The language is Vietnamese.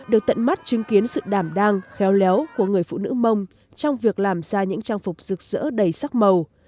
được tận mắt chứng kiến sự đảm đang khéo léo của người phụ nữ mông trong việc làm ra những trang phục rực rỡ đầy sắc màu